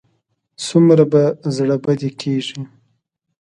څومره به زړه بدی کېږي.